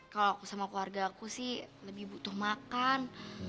kalau sama keluarga aku sih lebih butuh makan